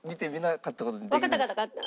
わかったわかった。